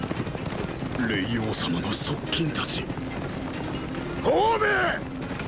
霊凰様の側近たち鳳明！！